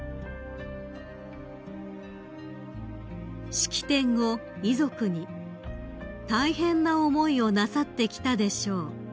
［式典後遺族に「大変な思いをなさってきたでしょう」